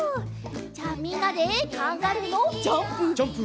じゃあみんなでカンガルーのジャンプ！